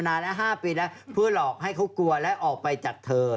งั้นเป็นเป็นตอนหน่าให้เขากลัวและออกไปจากเธอ